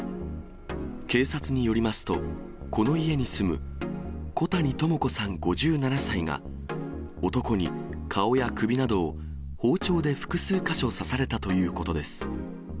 警察によりますと、この家に住む小谷朋子さん５７歳が、男に顔や首などを包丁で複数箇所刺されたということです。